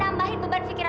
ya allah fadil